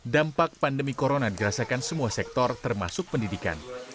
dampak pandemi corona dirasakan semua sektor termasuk pendidikan